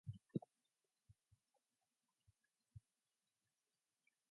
It was performed in Marathi and later in other languages.